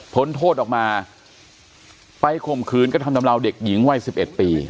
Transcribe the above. พ้นโทษออกมาไปข่มขืนกระทำชำราวเด็กหญิงวัย๑๑ปี